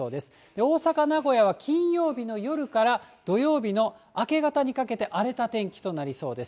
大阪、名古屋は金曜日の夜から土曜日の明け方にかけて荒れた天気となりそうです。